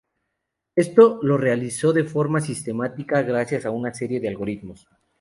Esto lo realiza de forma sistemática gracias a una serie de algoritmos.